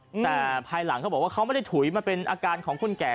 แต่ภายหลังเขาบอกว่าเขาไม่ได้ถุยมาเป็นอาการของคนแก่